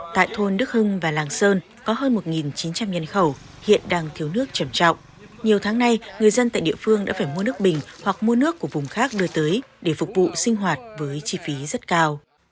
tại thôn đức hưng và làng sơn có hơn một chín trăm linh nhân khẩu hiện đang thiếu nước trầm trọng nhiều tháng nay người dân tại địa phương đã phải mua nước bình hoặc mua nước của vùng khác đưa tới để phục vụ sinh hoạt với chi phí rất cao